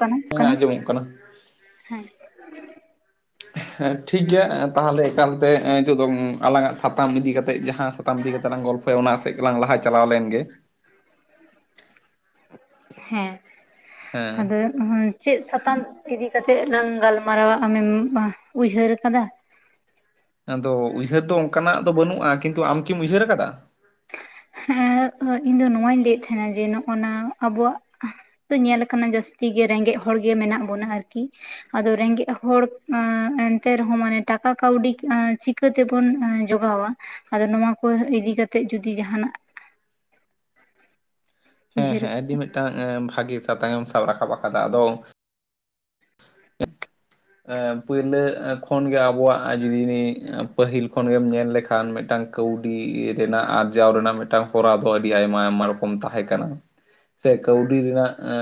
ᱠᱟᱱᱟ ᱦᱮᱸ ᱠᱟᱱᱟ ᱟᱸᱡᱚᱢᱚᱜ ᱦᱮᱸ᱾ ᱦᱮᱸ ᱴᱷᱤᱠ ᱜᱮᱭᱟ ᱛᱟᱦᱚᱸᱞᱮ ᱮᱠᱟᱞᱛᱮ ᱦᱤᱛᱚᱜ ᱫᱚ ᱟᱞᱟᱝᱟᱜ ᱥᱟᱛᱟᱢ ᱤᱫᱤ ᱠᱟᱛᱮᱜ ᱡᱟᱦᱟᱸ ᱫᱚ ᱥᱟᱛᱟᱢ ᱤᱫᱤ ᱠᱟᱛᱮᱜ ᱞᱟᱝ ᱜᱚᱞᱯᱷᱚᱭᱟ ᱚᱱᱟ ᱥᱮᱫ ᱜᱮᱞᱟᱝ ᱞᱟᱦᱟ ᱪᱟᱞᱟᱣ ᱞᱮᱱ ᱜᱮ᱾ ᱦᱮᱸ ᱦᱮᱸ ᱟᱫᱚ, ᱦᱳᱭ, ᱪᱮᱫ ᱥᱟᱛᱟᱢ ᱤᱫᱤ ᱠᱟᱛᱮᱜ ᱞᱟᱝ ᱜᱟᱞᱢᱟᱨᱟᱣᱟ ᱟᱢᱮᱢ ᱩᱭᱦᱟᱹᱨ ᱟᱠᱟᱫᱟ? ᱟᱫᱚ ᱩᱭᱦᱟᱹᱨ ᱫᱚ ᱚᱱᱠᱟᱱᱟᱜ ᱫᱚ ᱵᱟᱱᱩᱜ-ᱟ᱾ ᱠᱤᱱᱛᱩ ᱟᱢ ᱠᱤᱢ ᱩᱭᱦᱟᱹᱨ ᱟᱠᱟᱫᱟ? ᱦᱮᱸ ᱤᱧ ᱫᱚ ᱱᱚᱣᱟᱧ ᱞᱟᱹᱭᱮᱫ ᱛᱟᱦᱮᱸᱱᱟ ᱡᱮ ᱱᱚᱜ- ᱱᱟ ᱟᱵᱚᱣᱟᱜ, ᱛᱚ ᱧᱮᱞ ᱟᱠᱟᱱᱟ ᱡᱟᱹᱥᱛᱤ ᱜᱮ ᱨᱮᱸᱜᱮᱡ ᱦᱚᱲ ᱜᱮ ᱢᱮᱱᱟᱜ ᱵᱚᱱᱟ ᱟᱹᱨᱠᱤ᱾ ᱟᱫᱚ ᱨᱮᱸᱜᱮᱸᱡ ᱦᱚᱲ ᱚ ᱮᱱᱛᱮ ᱨᱮ ᱦᱚᱸ ᱢᱟᱱᱮ ᱴᱟᱠᱟ ᱠᱟᱹᱣᱰᱤ ᱮ ᱪᱤ ᱪᱤᱠᱟᱹ ᱛᱮᱵᱚᱱ ᱮ ᱡᱚᱜᱟᱣᱟ? ᱟᱫᱚ ᱱᱚᱣᱟ ᱠᱚ ᱤᱫᱤ ᱠᱟᱛᱮᱜ ᱡᱩᱫᱤ ᱡᱟᱦᱟᱱᱟᱜ ᱦᱮᱸ ᱩᱭᱦᱟᱹᱨ ᱦᱮᱸ ᱟᱹᱰᱤ ᱢᱤᱫᱴᱟᱝ ᱵᱷᱟᱜᱤ ᱥᱟᱛᱟᱢ ᱮᱢ ᱥᱟᱵ ᱨᱟᱠᱟᱵ ᱟᱠᱟᱫᱟ᱾ ᱟᱫᱚ [inaudible] ᱯᱩᱭᱞᱟᱹ ᱠᱷᱚᱱ ᱜᱮ ᱟᱵᱚᱣᱟᱜ ᱡᱩᱫᱤ ᱯᱟᱹᱦᱤᱞ ᱠᱷᱚᱱ ᱜᱮᱢ ᱧᱮᱞ ᱞᱮᱠᱷᱟᱱ ᱢᱤᱫᱴᱟᱝ, ᱠᱟᱹᱶᱰᱤ ᱨᱮᱱᱟᱜ ᱟᱨᱡᱟᱣ ᱨᱮᱱᱟᱜ ᱢᱤᱫᱴᱟᱝ ᱦᱚᱨᱟ ᱫᱚ ᱟᱹᱰᱤ ᱟᱭᱢᱟ ᱟᱭᱢᱟ ᱨᱚᱠᱚᱢ ᱛᱟᱦᱮᱸ ᱠᱟᱱᱟ᱾ ᱥᱮ ᱠᱟᱹᱣᱰᱤ ᱨᱮᱱᱟᱜ ᱮ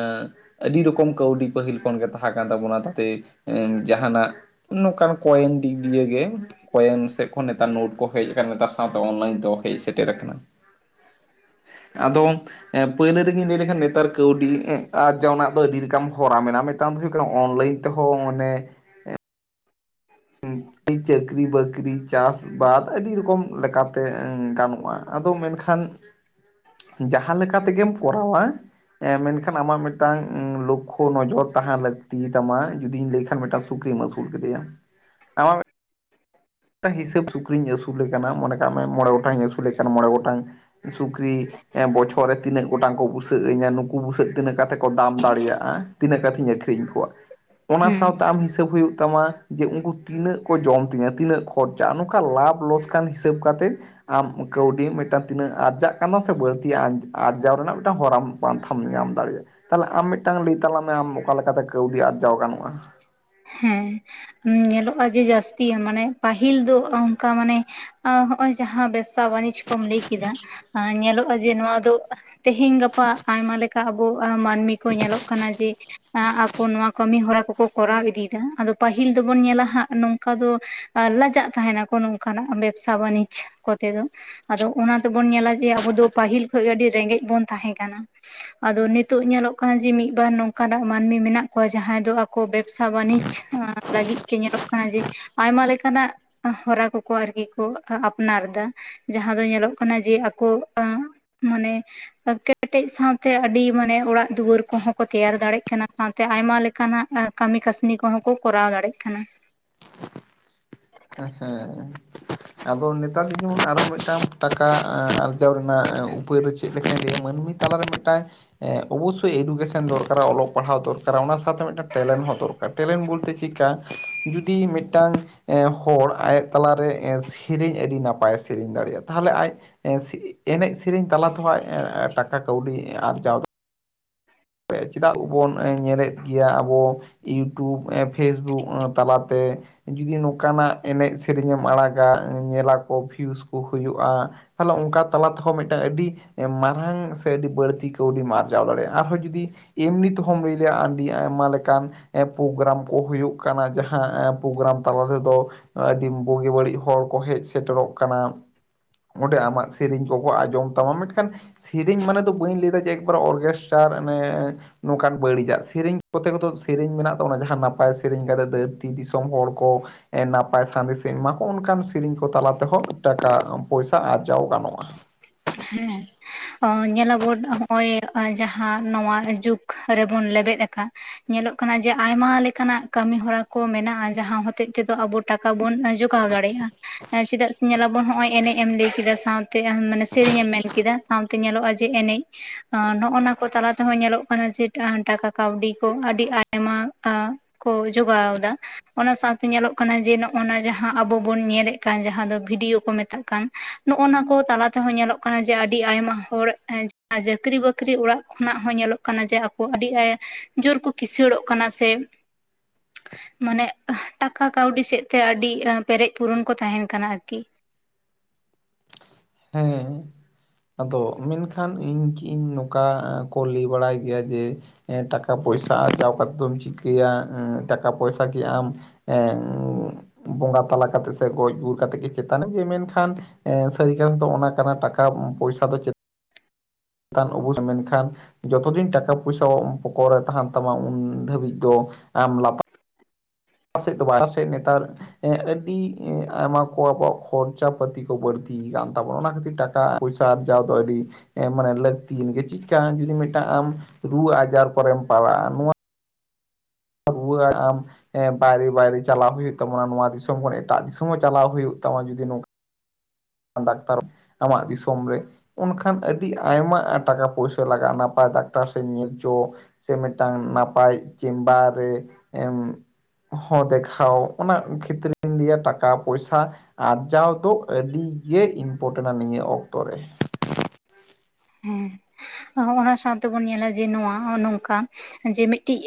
ᱟᱹᱰᱤ ᱨᱚᱠᱚᱢ ᱠᱟᱹᱣᱰᱤ ᱯᱟᱹᱦᱤᱞ ᱠᱷᱚᱱ ᱜᱮ ᱛᱟᱦᱮᱸ ᱠᱟᱱ ᱛᱟᱵᱚᱱᱟ ᱾ ᱚᱱᱟᱛᱮ ᱮ ᱡᱟᱦᱟᱸᱱᱟᱜ ᱱᱚᱝᱠᱟᱱ ᱠᱚᱭᱮᱱ ᱫᱤᱠ ᱫᱤᱭᱮ ᱜᱮ, ᱠᱚᱭᱮᱱ ᱥᱮᱫ ᱠᱷᱚᱱ ᱱᱮᱛᱟᱨ ᱱᱳᱴ ᱠᱚ ᱦᱮᱡ ᱟᱠᱟᱱᱟ ᱱᱮᱛᱟᱨ ᱥᱟᱶᱛᱮ ᱚᱱᱞᱟᱭᱤᱱ ᱫᱚ ᱦᱮᱡ ᱥᱮᱴᱮᱨ ᱟᱠᱟᱱᱟ᱾ ᱟᱫᱚ ᱮ ᱯᱟᱹᱭᱞᱟᱹ ᱨᱮᱜᱤᱧ ᱞᱟᱹᱭ ᱞᱮᱠᱷᱟᱱ ᱱᱮᱛᱟᱨ ᱠᱟᱹᱣᱰᱤ ᱟᱨᱡᱟᱣ ᱨᱮᱱᱟᱜ ᱫᱚ ᱟᱹᱰᱤ ᱨᱚᱠᱚᱢ ᱦᱚᱨᱟ ᱢᱮᱱᱟᱜ-ᱟ᱾ ᱢᱤᱫᱴᱟᱱ ᱫᱚ ᱦᱩᱭᱩᱜ ᱠᱟᱱᱟ ᱚᱱᱞᱟᱭᱤᱱ, ᱛᱮ ᱦᱚ ᱢᱟᱱᱮ ᱪᱟᱹᱠᱨᱤ ᱵᱟᱹᱠᱨᱤ ᱪᱟᱥ ᱵᱟᱫ ᱟᱹᱰᱤ ᱨᱚᱠᱚᱢ ᱞᱮᱠᱟ ᱛᱮ ᱜᱟᱱᱚᱜ-ᱟ᱾ ᱟᱫᱚ ᱢᱮᱱᱠᱷᱟᱱ ᱡᱟᱦᱟᱸ ᱞᱮᱠᱟ ᱛᱮᱜᱮᱢ ᱠᱚᱨᱟᱣᱟ ᱮᱸ ᱢᱮᱱᱠᱷᱟᱱ ᱟᱢᱟᱜ ᱢᱤᱫᱴᱟᱝ ᱞᱚᱠᱠᱷᱳ ᱱᱚᱡᱚᱨ ᱛᱟᱦᱮᱸᱱ ᱞᱟᱹᱠᱛᱤ ᱛᱟᱢᱟ᱾ ᱡᱩᱫᱤᱧ ᱞᱟᱹᱭ ᱠᱷᱟᱱ ᱢᱤᱫᱴᱟᱝ ᱥᱩᱠᱨᱤᱢ ᱟᱹᱥᱩᱞ ᱠᱮᱫᱮᱭᱟ, ᱟᱢᱟᱜ ᱦᱤᱥᱟᱹᱵ ᱥᱩᱠᱨᱤᱧ ᱟᱹᱥᱩᱞᱮ ᱠᱟᱱᱟ, ᱢᱚᱱᱮ ᱠᱟᱜ ᱢᱮ ᱢᱚᱬᱮ ᱜᱚᱴᱟᱝ ᱤᱧ ᱟᱹᱥᱩᱞᱮ ᱠᱟᱱ ᱢᱚᱬᱮ ᱜᱚᱴᱟᱝ ᱥᱩᱠᱨᱤ ᱮᱸ ᱵᱚᱪᱷᱚᱨ ᱨᱮ ᱛᱤᱱᱟᱹᱜ ᱜᱚᱴᱟᱝ ᱠᱚ ᱵᱩᱥᱟᱹᱜ ᱟᱹᱧᱟᱹ ᱱᱩᱠᱩ ᱵᱩᱥᱟᱹᱜ ᱛᱤᱱᱟᱹᱜ ᱠᱟᱛᱮᱫ ᱠᱚ ᱫᱟᱢ ᱫᱟᱲᱮᱭᱟᱜᱼᱟ᱾ ᱛᱤᱱᱟᱹᱜ ᱠᱟᱛᱮᱧ ᱟᱹᱠᱷᱨᱤᱧ ᱠᱚᱣᱟ᱾ ᱚᱱᱟ ᱦᱮᱸ ᱥᱟᱶᱛᱮ ᱟᱢ ᱦᱤᱥᱟᱹᱵ ᱦᱩᱭᱩᱜ ᱛᱟᱢᱟ ᱡᱮ ᱩᱱᱠᱩ ᱛᱤᱱᱟᱹᱜ ᱠᱚ ᱡᱚᱢ ᱛᱤᱧᱟᱹ ᱛᱤᱱᱟᱹᱜ ᱠᱷᱚᱨᱪᱟᱜᱼᱟ ᱱᱚᱝᱠᱟ ᱞᱟᱵᱷ ᱞᱚᱥᱠᱟᱱ ᱦᱤᱥᱟᱹᱵ ᱠᱟᱛᱮᱫ ᱟᱢ ᱠᱟᱹᱣᱰᱤ ᱢᱤᱫᱴᱟᱝ ᱛᱤᱱᱟᱹᱜ ᱟᱨᱡᱟᱜ ᱠᱟᱱᱟ ᱥᱮ ᱵᱟᱹᱲᱛᱤᱭᱟᱜ ᱟᱡ ᱟᱨᱡᱟᱣ ᱨᱮᱱᱟᱜ ᱢᱤᱫᱴᱟᱝ ᱦᱚᱨᱟᱢ ᱯᱟᱱᱛᱷᱟᱢ ᱧᱟᱢ ᱫᱟᱲᱮᱭᱟᱜᱼᱟ᱾ ᱛᱟᱦᱚᱞᱮ ᱟᱢ ᱢᱤᱫᱴᱟᱝ ᱞᱟᱹᱭ ᱛᱟᱞᱟᱝ ᱢᱮ ᱟᱢ ᱚᱠᱟ ᱞᱮᱠᱟᱛᱮ ᱠᱟᱹᱣᱰᱤ ᱟᱨᱡᱟᱣ ᱜᱟᱱᱚᱜᱼᱟ? ᱦᱮᱸ᱾ ᱩᱸ ᱧᱮᱞᱚᱜᱼᱟ ᱡᱮ ᱡᱟᱹᱥᱛᱤ ᱢᱟᱱᱮ ᱯᱟᱹᱦᱤᱞ ᱫᱚ ᱚᱱᱠᱟ ᱢᱟᱱᱮ ᱮᱸ ᱦᱚᱸᱜᱼᱚᱭ ᱡᱟᱦᱟᱸ ᱵᱮᱵ ᱥᱟ ᱵᱟᱱᱤᱡ ᱠᱚᱢ ᱞᱟᱹᱭ ᱠᱮᱫᱟ ᱮᱸ ᱧᱮᱞᱚᱜᱼᱟ ᱡᱮ ᱱᱚᱣᱟ ᱫᱚ ᱛᱮᱦᱮᱹᱧ ᱜᱟᱯᱟ ᱟᱭᱢᱟ ᱞᱮᱠᱟ ᱟᱵᱚ ᱟ ᱢᱟᱹᱱᱢᱤ ᱠᱚ ᱧᱮᱞᱚᱜ ᱠᱟᱱᱟ ᱡᱮ, ᱟ ᱟᱠᱚ ᱱᱚᱣᱟ ᱠᱟᱹᱢᱤ ᱦᱚᱨᱟ ᱠᱚᱠᱟ ᱠᱚᱨᱟᱣ ᱤᱫᱤ ᱫᱟ ᱟᱫᱚ ᱯᱟᱹᱦᱤᱞ ᱫᱚᱵᱚᱱ ᱧᱮᱞᱟ ᱦᱟᱸᱜ ᱱᱚᱝᱠᱟ ᱫᱚ ᱟ ᱞᱟᱡᱟᱜ ᱛᱟᱦᱮᱱᱟ ᱠᱚ ᱱᱚᱝᱠᱟᱱᱟᱜ ᱵᱮᱵᱥᱟ ᱵᱟᱹᱱᱤᱡᱽ ᱠᱚᱛᱮ ᱫᱚ, ᱟᱫᱚ ᱚᱱᱟ ᱛᱮᱵᱚᱱ ᱧᱮᱞᱟ ᱡᱮ ᱟᱵᱚ ᱫᱚ ᱯᱟᱹᱦᱤᱞ ᱠᱷᱚᱡ ᱜᱮ ᱟᱹᱰᱤ ᱨᱮᱸᱜᱮᱡ ᱵᱚᱱ ᱛᱟᱦᱮᱸ ᱠᱟᱱᱟ᱾ ᱟᱫᱚ ᱱᱤᱛᱳᱜ ᱧᱮᱞᱚᱜ ᱠᱟᱱᱟ ᱡᱮ ᱢᱤᱫ ᱵᱟᱨ ᱱᱚᱝᱠᱟᱱᱟᱜ ᱢᱟᱹᱱᱢᱤ ᱢᱮᱱᱟᱜ ᱠᱚᱣᱟ ᱡᱟᱦᱟᱸᱭ ᱫᱚ ᱟᱠᱚ ᱵᱮᱵᱽᱥᱟ ᱵᱟᱱᱤᱡᱽ ᱪᱷᱟᱸ ᱞᱟᱹᱜᱤᱫ ᱛᱮ ᱧᱮᱞᱚᱜ ᱠᱟᱱᱟ ᱡᱮ, ᱟᱭᱢᱟ ᱞᱮᱠᱟᱱᱟᱜ ᱦᱚᱨᱟ ᱠᱚᱠᱚ ᱟᱨᱠᱤ ᱠᱚ ᱟᱯᱱᱟᱨ ᱮᱫᱟ᱾ ᱡᱟᱦᱟᱸ ᱫᱚ ᱧᱮᱞᱚᱜ ᱠᱟᱱᱟ ᱡᱮ ᱟᱠᱚ ᱮᱸ ᱢᱟᱱᱮ ᱠᱮᱴᱮᱡ ᱥᱟᱶᱛᱮ ᱟᱹᱰᱤ ᱢᱟᱱᱮ ᱚᱲᱟᱜ ᱫᱩᱣᱟᱹᱨ ᱠᱚᱦᱚᱸ ᱠᱚ ᱛᱮᱭᱟᱨ ᱫᱟᱲᱮᱜ ᱠᱟᱱᱟ ᱥᱟᱶ ᱛᱮ ᱟᱭᱢᱟ ᱞᱮᱠᱟᱱᱟᱜ ᱮᱸ ᱠᱟᱹᱢᱤ ᱠᱟᱹᱥᱱᱤ ᱠᱚᱦᱚᱸ ᱠᱚ ᱠᱚᱨᱟᱣ ᱫᱟᱲᱮᱜ ᱠᱟᱱᱟ᱾ ᱮᱸ ᱦᱮᱸ᱾ ᱟᱫᱚ ᱱᱮᱛᱟᱨ ᱫᱚ ᱡᱮᱢᱚᱱ ᱟᱨᱚ ᱢᱤᱫᱴᱟᱝ ᱴᱟᱠᱟ ᱮᱸ ᱟᱨᱡᱟᱣ ᱨᱮᱱᱟᱜ ᱩᱯᱟᱹᱭ ᱫᱚ ᱪᱮᱫ ᱞᱮᱠᱟᱧ ᱞᱮᱭᱟ ᱢᱟᱹᱱᱢᱤ ᱛᱟᱞᱟᱨᱮ ᱢᱤᱫᱴᱟᱝ ᱮᱸ ᱚᱵᱚᱥᱥᱳᱭ ᱮᱰᱩᱠᱮᱥᱚᱱ ᱫᱚᱨᱠᱟᱨᱚᱜ-ᱟ ᱚᱞᱚᱜ ᱯᱟᱲᱦᱟᱣ ᱫᱚᱨᱠᱟᱨᱟ ᱚᱱᱟ ᱥᱟᱶᱛᱮ ᱢᱤᱫᱴᱟᱝ ᱴᱮᱞᱮᱱ ᱦᱚᱸ ᱫᱚᱨᱠᱟᱨ ᱴᱮᱞᱮᱱ ᱵᱚᱞᱛᱮ ᱪᱤᱠᱠᱟ ᱡᱩᱫᱤ ᱢᱤᱫᱴᱟᱝ ᱮᱸ ᱦᱚᱲ ᱟᱡ ᱛᱟᱞᱟᱨᱮ ᱥᱮᱨᱮᱧ ᱟᱹᱰᱤ ᱱᱟᱯᱟᱭᱮ ᱥᱮᱨᱮᱧ ᱫᱟᱲᱮᱭᱟᱜᱼᱟ ᱛᱟᱦᱚᱞᱮ ᱟᱡ ᱮᱸ ᱮᱱᱮᱡ ᱥᱮᱨᱮᱧ ᱛᱟᱞᱟ ᱛᱮᱦᱚᱸ ᱟᱡ ᱴᱟᱠᱟ ᱠᱟᱹᱣᱰᱤ ᱟᱨᱡᱟᱣ ᱪᱮᱫᱟᱜ ᱵᱚᱱ ᱧᱮᱞᱮᱫ ᱜᱮᱭᱟ ᱟᱵᱚ ᱤᱭᱩᱴᱩᱵᱽ ᱮᱸ ᱯᱷᱮᱥᱵᱩᱠ ᱛᱟᱞᱟ ᱛᱮ ᱡᱩᱫᱤ ᱱᱚᱝᱠᱟᱱᱟᱜ ᱮᱱᱮᱡ ᱥᱮᱨᱮᱧ ᱮᱢ ᱟᱲᱟᱜᱟ ᱮᱸ ᱧᱮᱞᱟᱠᱚ ᱵᱷᱤᱭᱩᱥ ᱠᱚ ᱦᱩᱭᱩᱜᱼᱟ᱾ ᱛᱟᱦᱞᱮ ᱚᱱᱠᱟ ᱛᱟᱞᱟ ᱛᱮᱦᱚᱸ ᱢᱤᱫᱴᱟᱝ ᱟᱹᱰᱤ ᱮᱸ ᱢᱟᱨᱟᱝ ᱥᱮ ᱟᱹᱰᱤ ᱵᱟᱹᱲᱛᱤ ᱠᱟᱹᱣᱰᱤᱢ ᱟᱨᱡᱟᱣ ᱫᱟᱲᱮᱭᱟᱜᱼᱟ ᱟᱨᱦᱚᱸ ᱡᱩ ᱫᱤᱱ ᱮᱢᱱᱤ ᱛᱮᱦᱚᱢ ᱞᱟᱹᱭ ᱟᱹᱰᱤ ᱟᱭᱢᱟ ᱞᱮᱠᱟᱱ ᱮᱸ ᱯᱳᱜᱨᱟᱢ ᱠᱚ ᱦᱩᱭᱩᱜ ᱠᱟᱱᱟ ᱡᱟᱦᱟᱸ ᱯᱳᱜᱨᱟᱢ ᱛᱟᱞᱟ ᱛᱮᱫᱚ ᱟᱹᱰᱤ ᱵᱩᱜᱤ ᱵᱟᱹᱲᱤᱡ ᱦᱚᱲ ᱠᱚ ᱦᱮᱡ ᱥᱮᱴᱮᱨᱚᱜ ᱠᱟᱱᱟ᱾ ᱚᱸᱰᱮ ᱟᱢᱟᱜ ᱥᱮᱨᱮᱧ ᱠᱚᱠᱚ ᱟᱸᱡᱚᱢ ᱛᱟᱢᱟ ᱢᱮᱴᱠᱷᱟᱱ ᱥᱮᱨᱮᱧ ᱢᱟᱱᱮ ᱫᱚ ᱵᱟᱹᱧ ᱞᱟᱹᱭᱫᱟ ᱡᱮ ᱮᱠᱵᱟᱨᱮ ᱚᱨᱜᱮᱥᱴᱟᱨ ᱚᱱᱮ ᱱᱚᱝᱠᱟᱱ ᱵᱟᱹᱲᱤᱡᱟᱜ ᱥᱮᱨᱮᱧ ᱠᱚᱛᱮ ᱠᱚᱫᱚ ᱥᱮᱨᱮᱧ ᱢᱮᱱᱟᱜ ᱛᱟᱵᱚᱱᱟ ᱡᱟᱦᱟᱸ ᱱᱟᱯᱟᱭ ᱥᱮᱨᱮᱧ ᱠᱟᱛᱮ ᱫᱷᱟᱹᱨᱛᱤ ᱫᱤᱥᱚᱢ ᱦᱚᱲ ᱠᱚ ᱮᱸ ᱱᱟᱯᱟᱭ ᱥᱟᱸᱫᱮᱥ ᱮᱢ ᱮᱢᱟ ᱠᱚᱣᱟ ᱚᱱᱠᱟᱱ ᱥᱮᱨᱮᱧ ᱠᱚ ᱛᱟᱞᱟ ᱛᱮᱦᱚᱸ ᱴᱟᱠᱟ ᱯᱚᱭᱥᱟ ᱟᱨᱡᱟᱣ ᱜᱟᱱᱚᱜᱼᱟ᱾ ᱦᱮᱸ᱾ ᱮᱸ ᱧᱮᱞᱚᱜᱚᱫ ᱦᱚᱸᱜᱼᱚᱭ ᱡᱟᱦᱟᱸ ᱱᱚᱣᱟ ᱡᱩᱜᱽ ᱨᱮᱵᱚᱱ ᱞᱮᱵᱮᱫ ᱟᱠᱟᱫ ᱧᱮᱞᱚᱜ ᱠᱟᱱᱟ ᱡᱮ ᱟᱭᱢᱟ ᱞᱮᱠᱟᱱᱟᱜ ᱠᱟᱹᱢᱤ ᱦᱚᱨᱟ ᱠᱚ ᱢᱮᱱᱟᱜᱼᱟ ᱡᱟᱦᱟᱸ ᱦᱚᱛᱮᱡ ᱛᱮᱫᱚ ᱟᱵᱚ ᱴᱟᱠᱟ ᱵᱚᱱ ᱟ ᱡᱚᱜᱟᱣ ᱫᱟᱲᱮᱭᱟᱜᱼᱟ, ᱮᱸ ᱪᱮᱫᱟᱜ ᱥᱮ ᱧᱮᱞᱟᱵᱚᱱ ᱦᱚᱸᱜᱼᱚᱭ ᱮᱱᱮᱡ ᱮᱢ ᱞᱟᱹᱭ ᱠᱮᱫᱟ ᱥᱟᱶ ᱮᱸ ᱢᱟᱱᱮ ᱥᱮᱨᱮᱧ ᱮᱢ ᱢᱮᱱ ᱠᱮᱫᱟ ᱥᱟᱶᱛᱮ ᱧᱮᱞᱚᱜᱼᱟ ᱡᱮ ᱮᱱᱮᱡ ᱱᱚᱜᱼᱱᱟ ᱠᱚ ᱛᱟᱞᱟ ᱛᱮᱦᱚᱸ ᱧᱮᱞᱚᱜ ᱠᱟᱱᱟ ᱡᱮ ᱴᱟᱠᱟ ᱠᱟᱹᱣᱰᱤ ᱠᱚ ᱟᱹᱰᱤ ᱟᱭᱢᱟ ᱟᱸ ᱠᱚ ᱡᱚᱜᱟᱣ ᱫᱟ᱾ ᱚᱱᱟ ᱥᱟᱶᱛᱮ ᱧᱮᱞᱚᱜ ᱠᱟᱱᱟ ᱡᱮ ᱱᱚᱜᱼᱱᱟ ᱡᱟᱦᱟᱸ ᱟᱵᱚ ᱵᱚᱱ ᱧᱮᱞᱮᱫ ᱠᱟᱱ ᱡᱟᱦᱟᱸ ᱫᱚ ᱵᱷᱤᱰᱭᱳ ᱠᱚ ᱢᱮᱛᱟᱜ ᱠᱟᱱ ᱱᱚᱜᱼᱱᱟ ᱠᱚ ᱛᱟᱞᱟ ᱛᱮᱦᱚᱸ ᱧᱮᱞᱚᱜ ᱠᱟᱱᱟ ᱡᱮ ᱟᱹᱰᱤ ᱟᱭᱢᱟ ᱦᱚᱲ ᱪᱟᱠᱨᱤ-ᱵᱟᱹᱠᱨᱤ ᱚᱲᱟᱜ ᱠᱷᱚᱱᱟᱜ ᱦᱚᱸ ᱧᱮᱞᱚᱜ ᱡᱮ ᱟᱠᱚ ᱟᱹᱰᱤ ᱟᱭ ᱡᱳᱨ ᱠᱚ ᱠᱤᱥᱟᱹᱬᱚᱜ ᱠᱟᱱᱟ ᱥᱮ [unintelligible] ᱢᱟᱱᱮ ᱴᱟᱠᱟ ᱠᱟᱹᱣᱰᱤ ᱥᱮᱫ ᱛᱮ ᱟᱹᱰᱤ ᱯᱮᱨᱮᱡ ᱯᱩᱨᱚᱱ ᱠᱚ ᱛᱟᱦᱮᱱ ᱠᱟᱱᱟ ᱟᱨᱠᱤ᱾ ᱦᱮᱸ᱾ ᱟᱫᱚ ᱢᱮᱱᱠᱷᱟᱱ ᱤᱧ ᱪᱤᱜ ᱤᱧ ᱱᱚᱠᱟ ᱠᱳ ᱞᱟᱹᱭ ᱵᱟᱲᱟᱭ ᱜᱮᱭᱟ ᱡᱮ ᱮᱸ ᱴᱟᱠᱟ ᱯᱚᱭᱥᱟ ᱟᱨᱡᱟᱣ ᱠᱟᱛᱮᱜ ᱫᱚᱢ ᱪᱤᱠᱟᱹᱭᱟ ᱴᱟᱠᱟ ᱯᱚᱭᱥᱟ ᱠᱤ ᱟᱢ ᱮᱸ ᱩᱸ [unintelligible] ᱵᱚᱸᱜᱟ ᱛᱟᱞᱟ ᱠᱟᱛᱮᱜ ᱥᱮ ᱜᱚᱡ ᱜᱩᱨ ᱠᱟᱛᱮᱜ ᱜᱮ ᱪᱮᱛᱟᱱ ᱜᱮ ᱢᱮᱱᱠᱷᱟᱱ ᱮᱸ ᱥᱟᱹ [unintelligible] ᱚᱱᱟ ᱠᱟᱱᱟ ᱴᱟᱠᱟ ᱯᱚᱭᱥᱟ ᱫᱚ ᱪᱮᱫ ᱛᱟᱱ ᱚᱵᱚᱥ ᱢᱮᱱᱠᱷᱟᱱ ᱡᱚᱛᱚ ᱫᱤᱱ ᱴᱟᱠᱟ ᱯᱚᱭᱥᱟ ᱯᱚᱠᱚᱨ ᱨᱮ ᱛᱟᱦᱮᱱ ᱛᱟᱢᱟ ᱩᱱ ᱫᱷᱟᱹᱵᱤᱡ ᱫᱚ ᱟᱢ ᱞᱟᱯ [unintelligible] ᱱᱮᱛᱟᱨ ᱟᱹᱰᱤ ᱟᱭᱢᱟ ᱠᱚ ᱟᱵᱚᱣᱟᱜ ᱠᱷᱚᱨᱪᱟ ᱯᱟᱛᱤ ᱠᱚ ᱵᱟᱹᱲᱛᱤᱭ ᱠᱟᱱ ᱛᱟᱵᱚᱱᱟ ᱚᱱᱟ ᱠᱷᱟᱹᱛᱤᱨ ᱴᱟᱠ ᱠᱟ ᱯᱩᱭᱥᱟ ᱟᱨᱡᱟᱣ ᱟᱹᱰᱤ ᱢᱟᱱᱮ ᱞᱟᱹᱠᱛᱤᱭᱮᱱ ᱜᱮ ᱪᱮᱫᱠᱟ ᱡᱩᱫᱤ ᱟᱢ ᱨᱩ ᱟᱡᱟᱨ ᱠᱚᱨᱮᱢ ᱯᱟᱲᱟᱜᱼᱟ ᱱᱚᱣᱟ ᱨᱩᱣᱟᱹᱜ ᱟᱢ ᱦᱮᱸ ᱵᱟᱭᱨᱮ ᱵᱟᱭᱨᱮ ᱪᱟᱞᱟᱣ ᱦᱳᱭᱳᱜ ᱛᱟᱢᱟ ᱱᱚᱣᱟ ᱫᱤᱥᱚᱢ ᱠᱷᱚᱱ ᱮᱴᱟᱜ ᱫᱤᱥᱚᱢ ᱦᱚᱸ ᱪᱟᱞᱟᱣ ᱦᱳᱭᱳᱜ ᱛᱟᱢᱟ ᱡᱩᱫᱤ ᱱᱚᱝᱠᱟ ᱰᱟᱠᱛᱟᱨ ᱟᱢᱟᱜ ᱫᱤᱥᱚᱢ ᱨᱮ ᱩᱱᱠᱷᱟᱱ ᱟᱹᱰᱤ ᱟᱭᱢᱟ ᱴᱟᱠᱟ ᱯᱚᱭᱥᱟᱹ ᱞᱟᱜᱟᱜᱼᱟ ᱱᱟᱯᱟᱭ ᱰᱟᱠᱛᱟᱨ ᱥᱮᱫ ᱧᱮᱞ ᱪᱚ᱾ ᱥᱮ ᱢᱮᱫᱴᱟᱝ ᱱᱟᱯᱟᱭ ᱪᱮᱢᱵᱟᱨ ᱨᱮ ᱮᱢ ᱦᱚᱸ ᱫᱮᱷᱟᱣ ᱚᱱᱟ ᱠᱷᱮᱛᱨᱮ ᱞᱟᱹᱭᱟ ᱴᱟᱠᱟ ᱯᱚᱭᱥᱟ ᱟᱨᱡᱟᱣ ᱫᱚ ᱟᱹᱰᱤ ᱜᱮ ᱤᱤᱱᱯᱚᱴᱮᱱᱼᱟ ᱱᱤᱭᱟᱹ ᱚᱠᱛᱚ ᱨᱮ᱾ ᱦᱮᱸ ᱚᱱᱟ ᱥᱟᱶᱛᱮᱵᱩᱱ ᱧᱮᱞᱟ ᱡᱮ ᱱᱚᱣᱟ ᱱᱚᱝᱠᱟ ᱡᱮ ᱢᱤᱫᱴᱤᱡ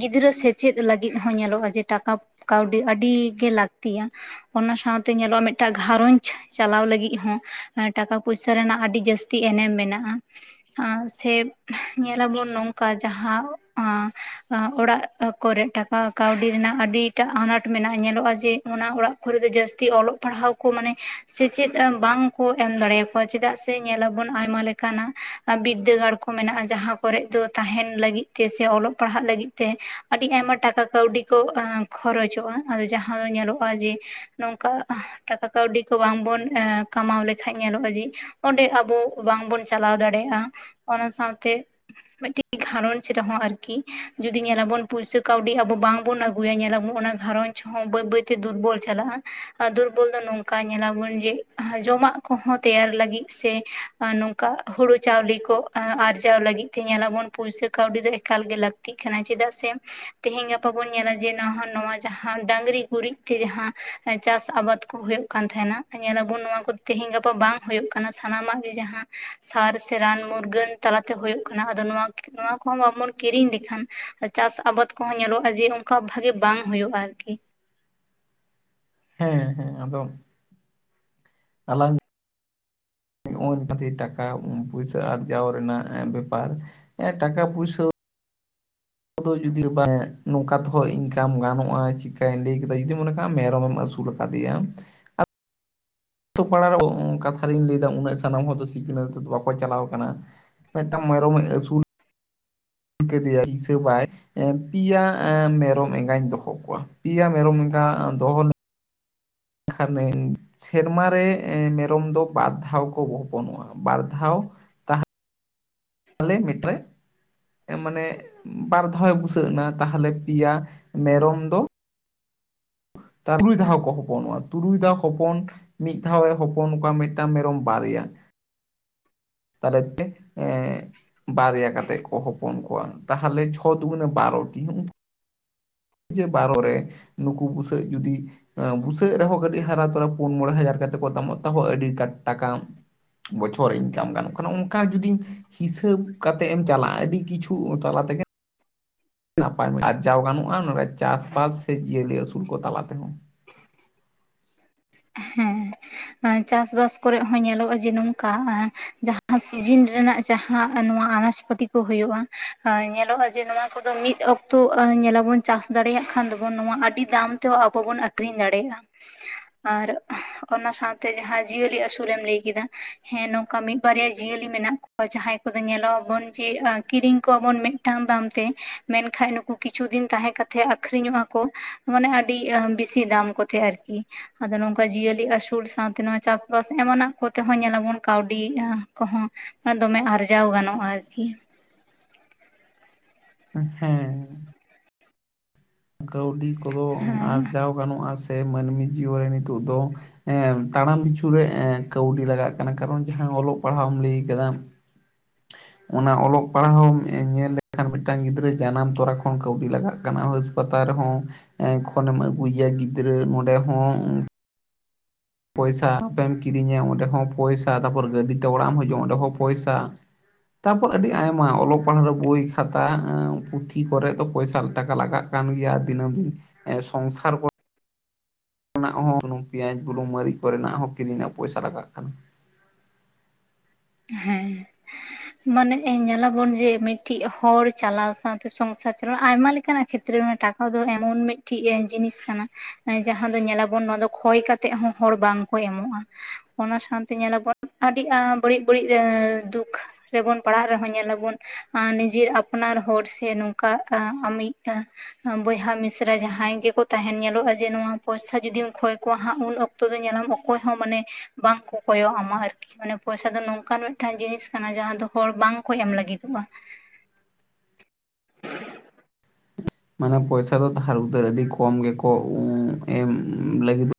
ᱜᱤᱫᱽᱨᱟᱹ ᱥᱮᱪᱮᱫ ᱞᱟᱹᱜᱤᱫ ᱦᱚᱸ ᱧᱮᱞᱚᱜᱼᱟ ᱡᱮ ᱴᱟᱠᱟᱯ ᱠᱟᱹᱣᱰᱤ ᱟᱹᱰᱤᱜᱮ ᱞᱟᱹᱠᱛᱤᱭᱟ᱾ ᱚᱱᱟ ᱥᱟᱶᱛᱮ ᱧᱮᱞᱚᱜᱼᱟ ᱢᱮᱜᱴᱟᱜ ᱜᱷᱟᱨᱚᱸᱧᱡᱽ ᱪᱟᱞᱟᱣ ᱞᱟᱹᱜᱤᱫ ᱴᱟᱠᱟ ᱯᱚᱭᱥᱟ ᱨᱮᱱᱟᱜ ᱟᱹᱰᱤ ᱡᱟᱹᱥ ᱛᱤ ᱮᱱᱮᱢ ᱢᱮᱱᱟᱜ [unintelligible] ᱟᱸ ᱥᱮ ᱧᱮᱞᱟᱵᱚᱱ ᱱᱚᱝᱠᱟ ᱡᱟᱦᱟᱸ ᱟᱸ ᱚᱲᱟᱜ ᱠᱚᱨᱮ ᱴᱟᱠᱟ ᱠᱟᱹᱣᱰᱤ ᱨᱮᱱᱟᱜ ᱟᱹᱰᱤᱴᱟᱜ ᱟᱱᱟᱴ ᱢᱮᱱᱟᱜᱼᱟ ᱧᱮᱞᱚᱜᱼᱟ ᱡᱮ ᱚᱱᱟ ᱚᱲᱟᱜ ᱠᱚᱨᱮ ᱫᱚ ᱡᱟᱹᱥᱛᱤ ᱯᱟᱲᱦᱟᱣ ᱠᱚ ᱢᱟᱱᱮ ᱥᱮᱪᱮᱫ ᱵᱟᱝ ᱠᱚ ᱮᱢ ᱫᱟᱲᱮᱭᱟᱠᱚᱣᱟ ᱪᱮᱫᱟᱜ ᱥᱮ ᱧᱮᱞᱟᱵᱚᱱ ᱟᱭᱢᱟ ᱞᱮᱠ ᱠᱟᱱᱟ ᱵᱤᱫᱽᱫᱟᱹᱜᱟᱲ ᱠᱚ ᱢᱮᱱᱟᱜᱼᱟ ᱡᱟᱦᱟᱸ ᱠᱚᱨᱮᱜ ᱫᱚ ᱛᱟᱦᱮᱱ ᱞᱟᱹᱜᱤᱫ ᱛᱮ ᱥᱮ ᱚᱞᱚᱜ ᱯᱟᱲᱦᱟᱜ ᱞᱟᱹᱜᱤᱫ ᱛᱮ ᱟᱹᱰᱤ ᱟᱭᱢᱟ ᱴᱟᱠᱟ ᱠᱟᱹᱣᱰᱤ ᱠᱚ ᱠᱷᱚᱨᱚᱪᱚᱜᱼᱟ ᱟᱫᱚ ᱡᱟᱦᱟᱸ ᱫᱚ ᱧᱮᱞᱚᱜᱼᱟ ᱡᱮ ᱱᱚᱝᱠᱟ ᱴᱟᱠᱟ ᱠᱟᱹᱣᱰᱤ ᱠᱚ ᱵᱟᱝᱵᱚᱱ ᱠᱟᱢᱟᱣ ᱞᱮᱠᱷᱟᱱᱡ ᱧᱮᱞᱚᱜᱼᱟ ᱡᱮ ᱚᱸᱰᱮ ᱟᱵᱚ ᱵᱟᱝᱵᱚᱱ ᱪᱟᱞᱟᱣ ᱫᱟᱲᱮᱭᱟᱜᱼᱟ ᱚᱱᱟ ᱥᱟᱶᱛᱮ ᱢᱤᱫᱴᱤᱜ ᱜᱷᱟᱨᱚᱸᱧᱡᱽ ᱨᱮᱦᱚᱸ ᱟᱨᱠᱤ ᱡᱩᱫᱤ ᱧᱮᱞᱟᱵᱚᱱ ᱯᱩᱭᱥᱟ ᱠᱟᱹᱣᱰᱤ ᱟᱵᱚ ᱵᱟᱝᱵᱚᱱ ᱟᱹᱜᱩᱭᱟ ᱧᱮᱞᱟᱵᱚᱱ ᱚᱱᱟ ᱜᱷᱟᱨᱚᱸᱧᱡᱽ ᱦᱚᱸ ᱵᱟᱹᱭ ᱵᱟᱹᱭᱛᱮ ᱫᱩᱨᱵᱚᱞ ᱪᱟᱞᱟᱜᱼᱟ ᱟᱨ ᱫᱩᱨᱵᱚᱞ ᱫᱚ ᱱᱚᱝᱠᱟ ᱧᱮᱞᱟᱵᱚᱱ ᱡᱮ ᱦᱟᱸ ᱡᱚᱢᱟᱜ ᱠᱚᱦᱚᱸ ᱛᱮᱭᱟᱨ ᱞᱟᱹᱜᱤᱫ ᱥᱮ ᱱᱚ ᱚᱱᱠᱟ ᱦᱩᱲᱩ ᱪᱟᱣᱞᱮ ᱠᱚ ᱟᱨᱡᱟᱣ ᱞᱟᱹᱜᱤᱫ ᱛᱮ ᱧᱮᱞᱟᱵᱚᱱ ᱯᱩᱭᱥᱟᱹ ᱠᱟᱹᱣᱰᱤ ᱫᱚ ᱮᱠᱟᱞ ᱜᱮ ᱞᱟᱹᱠ -ᱛᱤᱜ ᱠᱟᱱᱟ, ᱪᱮᱫᱟᱜ ᱥᱮ ᱛᱮᱦᱮᱧ ᱜᱟᱯᱟ ᱵᱚᱱ ᱧᱮᱞᱟ ᱡᱮ ᱱᱟ ᱱᱚᱣᱟ ᱡᱟᱦᱟᱸ ᱰᱟᱝᱨᱤ ᱜᱩᱨᱤᱡ ᱛᱮ ᱡᱟᱦᱟᱸ ᱪᱟᱥ ᱟᱵᱟᱫ ᱠᱚ ᱦᱩᱭᱩᱜ ᱠᱟᱱ ᱛᱟᱦᱮᱱᱟ ᱧᱮᱞᱟᱵᱚᱱ ᱱᱚᱣᱟ ᱠᱚ ᱛᱮᱦᱤᱧ ᱜᱟᱯᱟ ᱵᱟᱝ ᱦᱩᱭᱩᱜ ᱠᱟᱱᱟ ᱥᱟᱱᱟᱢᱟᱜ ᱜᱮ ᱡᱟᱦᱟᱸ ᱥᱟᱨ ᱥᱮ ᱨᱟᱱ ᱢᱩᱨᱜᱟᱹᱱ ᱛᱟᱞᱟᱛᱮ ᱦᱩᱭᱩᱜ ᱠᱟᱱᱟ ᱟᱫᱚ ᱱᱚᱣᱟ ᱠᱚᱦᱚᱸ ᱵᱟᱵᱚᱱ ᱠᱤᱨᱤᱧ ᱞᱮᱠᱷᱟᱱ, ᱪᱟᱥ ᱟᱵᱟᱫᱽ ᱠᱚᱦᱚᱸ ᱧᱮᱞᱚᱜᱼᱟ ᱡᱮ ᱚᱱᱠᱟ ᱵᱷᱟᱜᱤ ᱵᱟᱝ ᱦᱩᱭᱩᱜᱼᱟ ᱟᱨᱠᱤ᱾ ᱦᱮᱸ ᱦᱮᱸ ᱟᱫᱚ ᱟᱞᱟᱝ [unintelligible] ᱴᱟᱠᱟ ᱯᱳᱭᱥᱟᱹ ᱟᱨᱡᱟᱣ ᱵᱮᱯᱟᱨ ᱵᱮᱯᱟᱨ ᱮ ᱴᱟᱠᱟ ᱯᱩᱭᱥᱟᱹ [unintelligible] ᱡᱩᱫᱤ ᱵᱟᱝ ᱱᱚᱝᱠᱟ ᱛᱮᱦᱚᱸ ᱤᱱᱠᱟᱢ ᱜᱟᱱᱚᱜᱼᱟ ᱪᱤᱠᱟᱹᱧ ᱞᱟᱹᱭ ᱠᱮᱫᱟ ᱡᱩᱫᱤᱢ ᱢᱚᱱᱮ ᱠᱟᱜᱼᱟ ᱢᱮᱨᱚᱢᱮᱢ ᱟᱹᱥᱩᱞ᱾ ᱠᱟᱫᱤᱭᱟᱢ᱾ ᱛᱚ ᱯᱟᱲᱟᱣ ᱠᱟᱛᱷᱟ ᱨᱤᱧ ᱞᱟᱹᱭᱫᱟ ᱩᱱᱟᱹᱜ ᱥᱟᱱᱟᱢ ᱦᱚᱲ ᱫᱚ ᱥᱤᱠᱷᱱᱟᱹᱛ ᱫᱚ ᱵᱟᱠᱚ ᱪᱟᱞᱟᱣ ᱟᱠᱟᱱᱟ᱾ ᱢᱤᱫᱴᱟᱝ ᱢᱮᱨᱚᱢᱮ ᱟᱹᱥᱩᱞ ᱠᱤᱫᱤᱭᱟ ᱦᱤᱥᱟᱹᱵᱟᱭ ᱾ ᱯᱮᱭᱟ ᱢᱮᱨᱚᱢ ᱮᱸᱜᱟᱧ ᱫᱚᱦᱚ ᱠᱚᱣᱟ ᱯᱮᱭᱟ ᱢᱮᱨᱚᱢ ᱮᱸᱜᱟ ᱫᱚᱦᱚ ᱠᱷᱟᱱᱤᱧ ᱥᱮᱨᱢᱟ ᱨᱮ ᱢᱮᱨᱚᱢ ᱫᱚ ᱵᱟᱨ ᱫᱷᱟᱣ ᱠᱚ ᱦᱚᱯᱚᱱᱚᱜᱼᱟ, ᱵᱟᱨ ᱫᱷᱟᱣ ᱟᱞᱮ ᱢᱤᱛᱨᱮ᱾ ᱢᱟᱱᱮ ᱵᱟᱨᱫᱷᱟᱮ ᱵᱩᱥᱟᱹᱜ ᱮᱱᱟ ᱛᱟᱦᱚᱞᱮ ᱯᱮᱭᱟ ᱢᱮᱨᱚᱢ ᱫᱚ, ᱛᱩᱨᱩᱭ ᱫᱷᱟᱣ ᱠᱚ ᱦᱚᱯᱚᱱᱚᱜᱼᱟ, ᱛᱩᱨᱩᱭ ᱫᱷᱟᱣ ᱦᱚᱯᱚᱱ ᱢᱤᱫ ᱫᱷᱟᱣ ᱮ ᱦᱚᱯᱚᱱ ᱠᱚᱣᱟ ᱢᱤᱫᱴᱟᱝ ᱢᱮᱨᱚᱢ ᱵᱟᱨᱭᱟ᱾ ᱛᱟᱦᱞᱮ [unintelligible] ᱮᱻ ᱵᱟᱨᱭᱟ ᱠᱟᱛᱮᱜ ᱠᱚ ᱦᱚᱯᱚᱱ ᱠᱚᱣᱟ ᱛᱟᱦᱚᱞᱮ ᱪᱷᱚ ᱫᱚ ᱜᱩᱱᱮ ᱵᱟᱨᱚᱴᱤ ᱦᱩᱸ᱾ ᱡᱮ ᱵᱟᱨᱚ ᱠᱚᱨᱮ ᱱᱩᱠᱩ ᱵᱩᱥᱟᱹᱜ ᱡᱩᱫᱤ ᱵᱩᱥᱟᱹᱜ ᱨᱮᱦᱚᱸ ᱠᱟᱹᱴᱤᱡ ᱦᱟᱨᱟ ᱛᱚᱨᱟ ᱯᱩᱱ ᱢᱚᱬᱮ ᱦᱟᱡᱟᱨ ᱠᱟᱛᱮᱫ ᱠᱚ ᱫᱟᱢᱚᱜ ᱛᱟᱵᱚᱣᱟ ᱟᱹᱰᱤ ᱴᱟᱠ ᱴᱟᱠᱟᱢ᱾ ᱵᱚᱪᱷᱚᱨ ᱤᱱᱠᱟᱢ ᱜᱟᱱᱚᱜ ᱠᱟᱱᱟ ᱚᱱᱠᱟ ᱡᱩᱫᱤᱧ ᱦᱤᱥᱟᱹᱵ ᱠᱟᱛᱮᱜ ᱮᱢ ᱪᱟᱞᱟᱜᱼᱟ, ᱟᱹᱰᱤ ᱠᱤᱪᱷᱩ ᱛᱟᱞᱟ ᱛᱮᱜᱮ ᱱᱟᱯᱟᱭ ᱟᱨᱡᱟᱣ ᱜᱟᱱᱚᱜᱼᱟ ᱱᱚᱰᱮ ᱪᱟᱥᱵᱟᱥ ᱥᱮ ᱡᱤᱭᱟᱹᱞᱤ ᱟᱹᱥᱩᱞ ᱠᱚ ᱛᱟᱞᱟ ᱛᱮᱦᱚᱸ ᱾ ᱪᱟᱥᱵᱟᱥ ᱠᱚᱨᱮᱜ ᱦᱚᱸ ᱧᱮᱞᱚᱜᱼᱟ ᱡᱮ ᱱᱚᱝᱠᱟ ᱡᱟᱦᱟᱸ ᱥᱤᱡᱤᱱ ᱨᱮᱱᱟᱜ ᱡᱟᱦᱟᱸ ᱱᱚᱣᱟ ᱟᱱᱟᱡ ᱯᱟᱹᱛᱤ ᱠᱚ ᱦᱩᱭᱩᱜᱼᱟ ᱧᱮᱞᱚᱜᱼᱟ ᱡᱮ ᱱᱚᱣᱟ ᱟ ᱫᱚ ᱢᱤᱫ ᱚᱠᱛᱚ ᱧᱮᱞᱟᱵᱚᱱ ᱪᱟᱥ ᱫᱟᱲᱮᱭᱟᱜ ᱠᱷᱟᱱ ᱫᱚ ᱵᱚᱱ ᱱᱚᱣᱟ ᱟᱹᱰᱤ ᱫᱟᱢ ᱛᱮᱦᱚ ᱟᱵᱚ ᱵᱚᱱ ᱟᱠᱷᱨᱤᱧ ᱫᱟᱲᱮᱭᱟᱜᱼᱟ ᱾ ᱟᱨ ᱚᱱᱟ ᱥᱟᱶ ᱱᱚᱛᱮ ᱡᱟᱦᱟᱸ ᱡᱤᱭᱟᱹᱞᱤ ᱟᱹᱥᱩᱞᱮᱢ ᱞᱟᱹᱭ ᱠᱮᱫᱟ, ᱦᱮᱸ ᱱᱚᱝᱠᱟ ᱢᱤᱫ ᱵᱟᱨᱭᱟ ᱡᱤᱭᱟᱹᱞᱤ ᱢᱮᱱᱟᱜ ᱠᱚ ᱡᱟᱦᱟᱸᱭ ᱠᱚᱫᱚ ᱧᱮᱞᱚᱜ ᱟᱵᱚᱱ ᱡᱮ ᱠᱤᱨᱤᱧ ᱠᱚᱣᱟᱵᱚᱱ ᱢᱤᱫᱴᱟᱝ ᱫᱟᱢ ᱛᱮ ᱢᱮᱱᱠᱷᱟᱡ -ᱠᱩ ᱠᱤᱪᱷᱩ ᱫᱤᱱ ᱛᱟᱦᱮᱸ ᱠᱟᱛᱮᱫ ᱟᱠᱷᱨᱤᱧᱚᱜᱼᱟ ᱠᱚ ᱢᱟᱱᱮ ᱟᱹᱰᱤ ᱵᱮᱥᱤ ᱫᱟᱢ ᱠᱚᱛᱮ ᱟᱨᱠᱤ ᱾ ᱟᱫᱚ ᱱᱚᱝᱠᱟ ᱡᱤᱭᱟᱹᱞᱤ ᱟᱥᱩᱞ ᱥᱟᱶᱛᱮ ᱱᱚᱣᱟ ᱪᱟᱥ ᱵᱟᱥ ᱮᱢᱟᱱᱟᱜ ᱠᱚᱛᱮᱦᱚᱸ ᱧᱮᱞᱞᱟᱵᱚᱱ ᱠᱟᱹᱣᱰᱤ ᱠᱚᱦᱚᱸ ᱟᱨ ᱫᱚᱢᱮ ᱟᱨᱡᱟᱣ ᱜᱟᱱᱚᱜᱼᱟ ᱟᱨᱠᱤ ᱾ ᱦᱮᱸᱻ ᱠᱟᱹᱣᱰᱤ ᱠᱚᱫᱚ ᱦᱮᱸ ᱟᱨᱡᱟᱣ ᱜᱟᱱᱚᱜᱼᱟ ᱥᱮ ᱢᱟᱹᱱᱢᱤ ᱡᱤᱭᱚᱱ ᱨᱮ ᱱᱤᱛᱚᱜ ᱫᱚ ᱛᱟᱲᱟᱢ ᱯᱤᱪᱷᱩ ᱨᱮ ᱠᱟᱹᱣᱰᱤ ᱞᱟᱜᱟᱜ ᱠᱟᱱᱟ ᱠᱟᱨᱚᱱ ᱡᱟᱦᱟᱸ ᱚᱞᱚᱜ ᱯᱟᱲᱦᱟᱣᱮᱢ ᱞᱟᱹᱭ ᱠᱟᱫᱟ [inaudible] ᱚᱱᱟ ᱚᱞᱚᱜ ᱯᱟᱲᱦᱟᱣ ᱧᱮᱞ ᱞᱮᱠᱷᱟᱱ ᱢᱤᱫᱴᱟᱝ ᱜᱤᱫᱽᱨᱟᱹ ᱡᱟᱱᱟᱢ ᱛᱚᱨᱟ ᱠᱷᱚᱱ ᱠᱟᱹᱣᱰᱤ ᱞᱟᱜᱟᱜ ᱠᱟᱱᱟ ᱦᱚᱥ ᱦᱟᱥᱯᱟᱛᱟᱞ ᱨᱮᱦᱚᱸ ᱮᱻ ᱠᱷᱚᱱᱮᱢ ᱟᱹᱜᱩᱭᱮᱭᱟ ᱜᱤᱫᱽᱨᱟᱹ ᱱᱚᱸᱰᱮ ᱦᱚᱸ ᱯᱚᱭᱥᱟ ᱟᱯᱮᱢ ᱠᱤᱨᱤᱧᱟ ᱚᱸᱰᱮ ᱦᱚᱸ ᱛᱟᱯᱚᱨ ᱛᱟᱯᱚᱨ ᱜᱟᱹᱰᱤ ᱛᱮ ᱚᱲᱟᱜ ᱮᱢ ᱦᱤᱡᱩᱜᱼᱟ ᱚᱸᱰᱮ ᱦᱚᱸ ᱯᱚᱭᱥᱟ ᱛᱟᱯᱚᱨ ᱟᱹᱰᱤ ᱟᱭᱢᱟ ᱚᱞᱚᱜ ᱯᱟᱲᱦᱟᱜ ᱨᱮ ᱵᱳᱭ ᱠᱷᱟᱛᱟ ᱯᱩᱛᱷᱤ ᱠᱚᱨᱮ ᱫᱚ ᱯᱚᱭᱥᱟ ᱴᱟᱠᱟ ᱞᱟᱜᱟᱜ ᱠᱟᱱ ᱜᱮᱭᱟ ᱫᱤᱱᱳᱢ ᱥᱚᱝᱥᱟᱨ ᱠᱷᱚᱱᱟᱜ ᱦᱚᱸ ᱥᱩᱱᱩᱢ ᱯᱮᱸᱭᱟᱡᱽ ᱵᱩᱞᱩᱝ ᱢᱟᱹᱨᱤᱪ ᱠᱚᱨᱮᱱᱟᱜ ᱦᱚᱸ ᱠᱤᱨᱤᱧᱟᱜ ᱯᱚᱭᱥᱟ ᱞᱟᱜᱟᱜ ᱠᱟᱱᱟ ᱾ ᱦᱮᱸ᱾ ᱢᱟᱱᱮ ᱧᱮᱞᱟᱵᱚᱱ ᱡᱮ ᱢᱤᱫᱴᱤᱡ ᱦᱚᱲ ᱪᱟᱞᱟᱣ ᱥᱟᱶᱛᱮ ᱥᱚᱝᱥᱟᱨ ᱪᱟᱞᱟᱣ ᱟᱭᱢᱟ ᱞᱮᱠᱟᱱᱟᱜ ᱠᱷᱮᱛᱨᱮ ᱨᱮ ᱢᱟᱱᱮ ᱴᱟᱠᱟ ᱫᱚ ᱮᱢᱚᱱ ᱢᱤᱫᱴᱮᱡ ᱡᱤᱱᱤᱥ ᱠᱟᱱᱟ ᱡᱟᱦᱟᱸ ᱫᱚ ᱧᱮᱞᱟᱵᱚᱱ ᱱᱚᱣᱟ ᱫᱚ ᱠᱷᱚᱭ ᱠᱟᱛᱮᱜ ᱦᱚᱸ ᱦᱚᱲ ᱵᱟᱝᱠᱚ ᱮᱢᱚᱜ-ᱟ ᱾ ᱚᱱᱟ ᱥᱟᱶᱛᱮ ᱧᱮᱞᱟᱵᱚᱱ ᱟᱹᱰᱤ ᱟ ᱵᱟᱹᱲᱤᱡ ᱵᱟᱹᱲᱤᱡ ᱮ ᱫᱩᱠ ᱨᱮᱵᱚᱱ ᱯᱟᱲᱦᱟᱜ ᱨᱮᱦᱚᱸ ᱧᱮᱞᱟᱵᱚᱱ ᱟ ᱱᱤᱡᱮᱨ ᱟᱯᱱᱟᱨ ᱦᱚᱲ ᱥᱮ ᱱᱚᱝᱠᱟ ᱟᱢᱤᱡ ᱟ ᱵᱚᱭᱦᱟ ᱢᱤᱥᱨᱟ ᱡᱟᱦᱟᱸᱭ ᱜᱮᱠᱚ ᱛᱟᱦᱮᱸᱱ ᱧᱮᱞᱚᱜ-ᱟ ᱡᱮ ᱱᱚᱣᱟ ᱯᱚᱭᱥᱟ ᱡᱩᱚᱫᱤᱢ ᱠᱷᱚᱭ ᱠᱚᱣᱟ ᱦᱟᱸᱜ ᱩᱱ ᱚᱠ ᱛᱚ ᱫᱚ ᱧᱮᱞᱟᱢ ᱚᱠᱚᱭ ᱦᱚᱸ ᱢᱟᱱᱮ, ᱵᱟᱝ ᱠᱚ ᱠᱚᱭᱚᱜ ᱟᱢᱟ ᱢᱟᱱᱮ ᱟᱹᱨᱠᱤ ᱯᱚᱭᱥᱟ ᱫᱚ ᱱᱚᱝᱠᱟᱱ ᱢᱤᱫᱴᱟᱝ ᱡᱤᱱᱤᱥ ᱠᱟᱱᱟ ᱡᱟᱦᱟᱸ ᱫᱚ ᱦᱚᱲ ᱵᱟᱝᱠᱚ ᱮᱢ ᱞᱟᱹᱜᱤᱫᱚᱜ-ᱟ ᱾ ᱢᱟᱱᱮ ᱯᱚᱭᱥᱟ ᱫᱚ ᱫᱷᱟᱨ ᱩᱫᱷᱟᱹᱨ ᱟᱹᱰᱤ ᱠᱚᱢ ᱜᱮᱠᱚ ᱮᱢ ᱞᱟᱹᱜᱤᱫ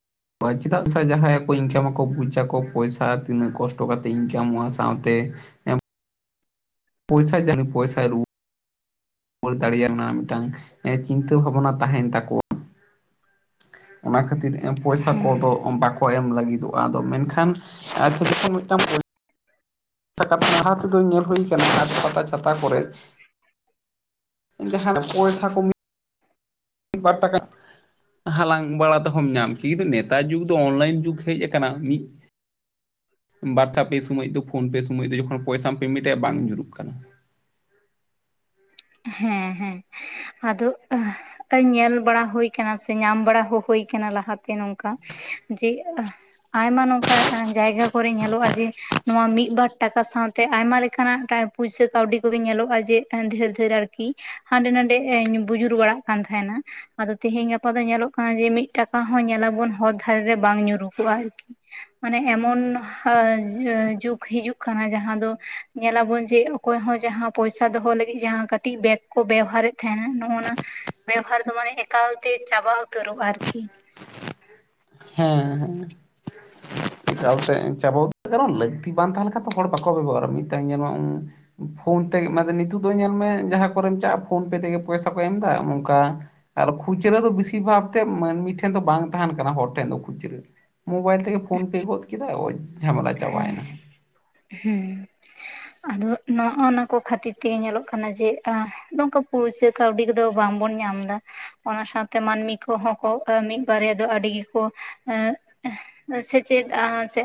[inaudible] ᱪᱮᱫᱟᱜ ᱥᱮ ᱡᱟᱦᱟᱸᱭ ᱠᱚ ᱤᱱᱠᱟᱢᱟᱠᱚ ᱵᱩᱡᱟᱠᱚ ᱯᱚᱭᱥᱟ ᱛᱤᱱᱟᱹᱜ ᱠᱚᱥᱴᱚ ᱠᱟᱛᱮ ᱤᱱᱠᱟᱢᱚᱜ-ᱟ ᱥᱟᱶᱛᱮ ᱮᱢ, ᱯᱚᱭᱥᱟ ᱡᱟᱹᱱᱤᱡ ᱯᱚᱭᱥᱟ ᱨᱩ ᱨᱩᱣᱟᱹᱲ ᱫᱟᱲᱮᱭᱟᱜ ᱚᱱᱟ ᱢᱤᱫᱴᱟᱝ ᱪᱤᱱᱛᱟᱹ ᱵᱷᱟᱵᱱᱟ ᱛᱟᱦᱮᱸᱱ ᱛᱟᱠᱚᱣᱟ ᱚᱱᱟ ᱠᱷᱟᱹᱛᱤᱨ ᱮᱢ ᱯᱚᱭᱥᱟ ᱠᱚᱫᱚ ᱦᱮᱸ ᱵᱟᱠᱚ ᱞᱟᱹᱜᱤᱫᱚᱜ-ᱟ, ᱟᱫᱚ ᱢᱮᱱᱠᱷᱟᱱ ᱟᱪᱪᱟ ᱡᱚᱠᱷᱚᱱ ᱢᱤᱫᱴᱟᱝ ᱯᱚᱭ ᱥᱟ ᱠᱟᱛᱷᱟ ᱡᱟᱦᱟᱸ ᱛᱮᱫᱚ ᱧᱮᱞ ᱦᱩᱭ ᱟᱠᱟᱱᱟ ᱦᱟᱴ ᱯᱟᱛᱟ ᱪᱷᱟᱛᱟ ᱠᱚᱨᱮ ᱡᱟᱦᱟ ᱨᱮ ᱯᱚᱭᱥᱟ ᱠᱚ ᱢᱤᱫ ᱵᱟᱴ ᱴᱟᱠᱟ ᱦᱟᱞᱟᱝ ᱵᱟᱲᱟ ᱛᱮᱦᱚᱢ ᱧᱟᱢᱟ, ᱠᱤᱱᱛᱩ ᱱᱮᱛᱟᱨ ᱡᱩᱜᱽ ᱫᱚ ᱚᱱᱞᱟᱭᱤᱱ ᱡᱩᱜᱽ ᱦᱮᱸᱡ ᱟᱠᱟᱱᱟ ᱢᱤᱫ ᱵᱟᱨᱛᱷᱟ ᱯᱮ ᱥᱚᱢᱚᱭ ᱫᱚ ᱯᱷᱳᱱ ᱯᱮ ᱥᱚᱢᱚᱭ ᱫᱚ ᱡᱚᱠᱷᱚᱱ ᱯᱚᱭᱥᱟᱢ ᱯᱮᱢᱮᱱᱴ ᱟᱭᱟ ᱵᱟᱝ ᱧᱩᱨᱩᱜ ᱠᱟᱱᱟ ᱦᱮᱸ ᱦᱮᱸ ᱟᱫᱚ ᱧᱮᱞ ᱵᱟᱲᱟ ᱦᱳᱭ ᱟᱠᱟᱱᱟ, ᱥᱮ ᱧᱟᱢ ᱵᱟᱲᱟ ᱦᱚᱸ ᱦᱳᱭ ᱟᱠᱟᱱᱟ ᱞᱟᱦᱟ ᱛᱮ ᱱᱚᱝᱠᱟ ᱡᱮ ᱟᱭᱢᱟ ᱱᱚᱝᱠᱟ ᱡᱟᱭᱜᱟ ᱠᱚᱨᱮ ᱧᱮᱞᱚᱜ-ᱟ ᱡᱮ ᱱᱚᱣᱟ ᱢᱤᱫ ᱵᱟᱨ ᱴᱟᱠᱟ ᱥᱟᱶᱛᱮ ᱟᱭᱢᱟ ᱞᱮᱠᱟᱱᱟᱜ ᱴᱟᱭ ᱯᱩᱭᱥᱟᱹ ᱠᱟᱹᱣᱰᱤ ᱠᱚᱜᱮ ᱧᱮᱞᱚᱜ-ᱟ ᱡᱮ ᱰᱷᱮᱨ ᱫᱷᱮᱨ ᱟᱹᱨᱠᱤ ᱠᱤ ᱦᱟᱸᱰᱮ ᱱᱟᱰᱮᱧ ᱮ ᱵᱩᱡᱩᱨ ᱵᱟᱲᱟᱜ ᱠᱟᱱ ᱛᱟᱦᱮᱸᱱᱟ ᱟᱫᱚ ᱛᱮᱦᱮᱸᱧ ᱜᱟᱯᱟ ᱫᱚ ᱧᱮᱞᱚᱜ ᱠᱟᱱᱟ ᱡᱮ ᱢᱤᱫ ᱴᱟᱠᱟ ᱦᱚᱸ ᱧᱮᱞᱟᱵᱚᱱ ᱦᱚᱨ ᱫᱷᱟᱨᱮ ᱨᱮ ᱵᱟᱝ ᱧᱩᱨᱩ ᱠᱚᱚᱜ-ᱟ ᱟᱹᱨᱠᱤ ᱾ ᱢᱟᱱᱮ ᱮᱢᱚᱱ ᱦᱟ ᱡᱩᱜᱽ ᱦᱤᱡᱩᱜ ᱠᱟᱱᱟ, ᱡᱟᱦᱟᱸ ᱫᱚ ᱼᱼ ᱧᱮᱞᱟᱵᱚᱱ ᱡᱮ, ᱚᱠᱚᱭ ᱦᱚᱸ ᱡᱟᱦᱟᱸ ᱯᱚᱭᱥᱟ ᱫᱚᱦᱚ ᱞᱟᱹᱜᱤᱫ ᱡᱟᱦᱟᱸ ᱠᱟ [unintelligible] ᱼᱼ ᱴᱤᱡ [unintelligible] ᱵᱮᱜᱽ ᱠᱚ ᱵᱮᱣᱦᱟᱨᱮᱫ ᱛᱟᱦᱮᱸᱱᱟ, ᱱᱚᱜ-ᱚ ᱱᱟ ᱼᱼ ᱵᱮᱣᱦᱟᱨ ᱫᱚ ᱢᱟᱱᱮ ᱮᱠᱟᱞ ᱛᱮ ᱪᱟᱵᱟ ᱩᱛᱟᱹᱨᱚᱜ-ᱟ ᱟᱹᱨᱠᱤ। ᱦᱮᱸ ᱦᱮᱸ। ᱮᱠᱟᱞ ᱛᱮ ᱪᱟᱵᱟ [inaudible] ᱠᱟᱨᱚᱱ ᱞᱟᱹᱠᱛᱤ ᱵᱟᱝ ᱛᱟᱦᱮᱸ ᱞᱮᱱᱠᱷᱟᱱ ᱛᱚ ᱦᱚᱲ ᱵᱟᱠᱚ ᱵᱮᱵᱚᱦᱟᱨᱟ। ᱢᱤᱫᱴᱟᱝ ᱧᱮᱞ ᱢᱮ [unintelligible] ᱼᱼ ᱯᱷᱳᱱ ᱛᱮᱜᱮ ᱢᱟᱱᱮ ᱱᱤᱛᱚᱜ ᱫᱚ ᱧᱮᱞ ᱢᱮ ᱡᱟᱦᱟᱸ ᱠᱚᱨᱮᱢ ᱪᱟᱜ-ᱟ ᱯᱷᱳᱱ ᱯᱮ ᱛᱮᱜᱮ ᱯᱚᱭᱥᱟ ᱠᱚ ᱮᱢ ᱮᱫᱟ ᱱᱚᱝᱠᱟ ᱟᱨ ᱠᱷᱩᱪᱨᱟᱹ ᱫᱚ ᱵᱮᱥᱤᱨ ᱵᱷᱟᱜᱽ ᱛᱮ ᱢᱟᱹᱱᱢᱤ ᱴᱷᱮᱱ ᱫᱚ ᱵᱟᱝ ᱛᱟᱦᱮᱸᱱ ᱠᱟᱱᱟ ᱦᱚᱲ ᱴᱷᱮᱱ ᱫᱚ ᱠᱷᱩᱪᱨᱟᱹ᱾ ᱢᱳᱵᱟᱭᱤᱞ ᱛᱮ ᱜᱮ ᱯᱷᱳᱱ ᱯᱮ ᱜᱚᱫ ᱠᱮᱫᱟ ᱳᱭ᱾ ᱡᱷᱟᱢᱮᱞᱟ ᱦᱮᱸ, ᱪᱟᱵᱟᱭᱮᱱᱟ ᱦᱮᱸ᱾ ᱟᱫᱚ ᱱᱚᱜ-ᱚ ᱱᱚᱣᱟ ᱠᱚ ᱠᱷᱟᱹᱛᱤᱨ ᱛᱮ ᱧᱮᱞᱚᱜ ᱠᱟᱱᱟ ᱡᱮ, ᱟ ᱱᱚᱝᱠᱟ ᱯᱚᱭᱥᱟᱹ ᱠᱟᱹᱣᱰᱤ ᱠᱚᱫᱚ ᱵᱟᱝ ᱵᱚᱱ ᱧᱟᱢ ᱮᱫᱟ᱾ ᱚᱱᱟ ᱥᱟᱶ ᱛᱮ ᱢᱟᱹᱱᱢᱤ ᱠᱚᱦᱚᱸ ᱠᱚ ᱢᱤᱫ ᱵᱟᱨᱭᱟ ᱫᱚ ᱟᱹᱰᱤ ᱜᱮᱠᱚ ᱮᱸ ᱥᱮ ᱪᱮᱫ ᱟ ᱛᱮᱫ ᱼᱼ